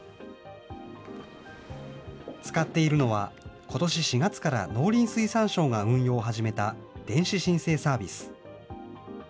使っているのは、ことし４月から農林水産省が運用を始めた電子申請サービス。